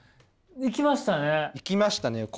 いきましたね。